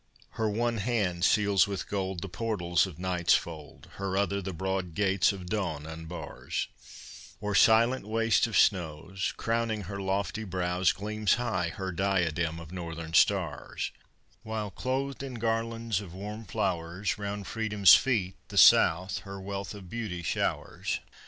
Her one hand seals with gold The portals of night's fold, Her other, the broad gates of dawn unbars; O'er silent wastes of snows, Crowning her lofty brows, Gleams high her diadem of northern stars; While, clothed in garlands of warm flowers, Round Freedom's feet the South her wealth of beauty showers.